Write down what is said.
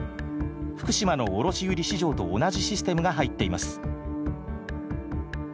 福島の卸売市場と同じシステムが入っています。